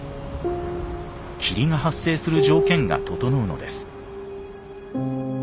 霧が発生する条件が整うのです。